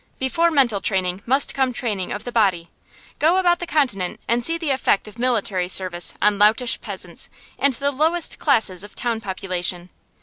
Before mental training must come training of the body. Go about the Continent, and see the effect of military service on loutish peasants and the lowest classes of town population.